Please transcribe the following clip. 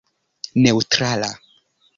neŭtrala